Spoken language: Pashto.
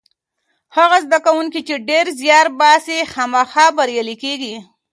هغه زده کوونکی چې ډېر زیار باسي خامخا بریالی کېږي.